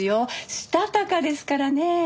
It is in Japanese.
したたかですからね。